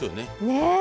ねえ。